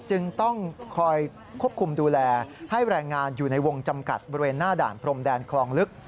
จึงต้องคอยควบคุมดูแลให้แรงงานอยู่ในวงจำกัดบริเวณหน้าด่านพรมแดนคลองลึก